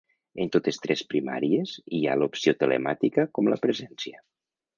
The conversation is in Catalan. En totes tres primàries hi ha l’opció telemàtica com la presencia.